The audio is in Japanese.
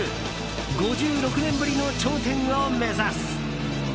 ５６年ぶりの頂点を目指す。